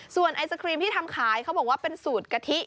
ส่วนไอศครีมที่ทำขายเขาบอกว่าเป็นสูตรกะทิ